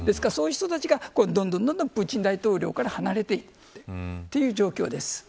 そういう人たちがどんどんプーチン大統領から離れているという状況です。